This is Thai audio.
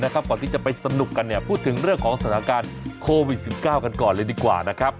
ก่อนที่จะไปสนุกกันพูดถึงเรื่องของสถานการณ์โควิด๑๙กันก่อนเลยดีกว่านะครับ